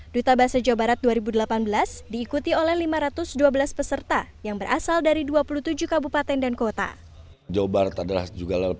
duta bahasa jawa barat dua ribu delapan belas diikuti oleh lima ratus dua belas peserta yang berasal dari dua puluh tujuh kabupaten dan kota